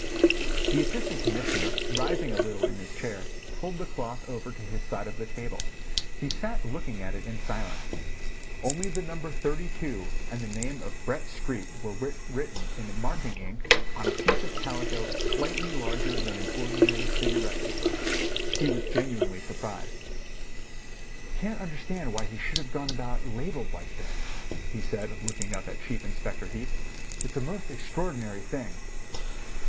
The Assistant Commissioner, rising a little in his chair, pulled the cloth over to his side of the table. He sat looking at it in silence. Only the number 32 and the name of Brett Street were written in marking ink on a piece of calico slightly larger than an ordinary cigarette paper. He was genuinely surprised. "Can't understand why he should have gone about labelled like this," he said, looking up at Chief Inspector Heat. "It's a most extraordinary thing."